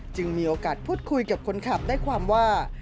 มีโอกาสพูดคุยกับคนขับได้ความว่า